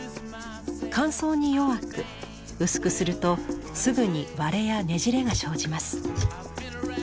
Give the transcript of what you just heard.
乾燥に弱く薄くするとすぐに割れやねじれが生じます。